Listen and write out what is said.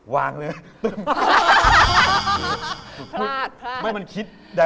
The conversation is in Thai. มีพลิกมากก็กลับมา